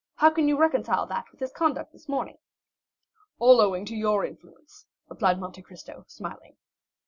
"How can you reconcile that with his conduct this morning?" "All owing to your influence," replied Monte Cristo, smiling.